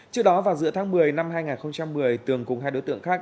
trước đó vào giữa tháng một mươi năm hai nghìn một mươi tường cùng hai đối tượng khác